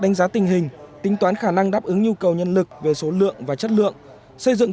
đánh giá tình hình tính toán khả năng đáp ứng nhu cầu nhân lực về số lượng và chất lượng xây dựng